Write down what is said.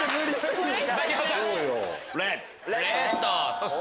そして。